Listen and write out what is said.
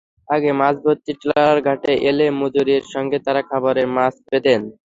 আগে মাছভর্তি ট্রলার ঘাটে এলে মজুরির সঙ্গে তাঁরা খাবারের মাছ পেতেন।